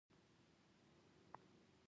زه خپل په بڼ کې بېلابېل ګلان کرم